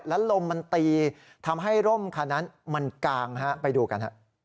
แล้วลมมันตีทำให้ร่มคันนั้นมันกางฮะไปดูกัน